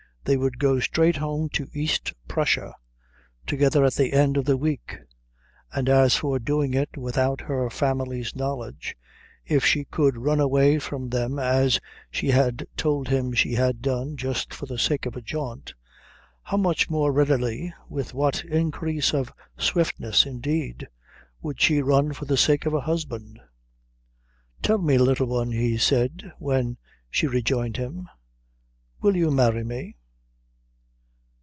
They would go straight home to East Prussia together at the end of the week; and as for doing it without her family's knowledge, if she could run away from them as she had told him she had done just for the sake of a jaunt, how much more readily, with what increase of swiftness, indeed, would she run for the sake of a husband? "Tell me, Little One," he said when she rejoined him, "will you marry me?"